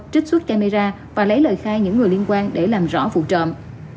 trích xuất camera và lấy lời khai những người liên quan để làm rõ vụ trộm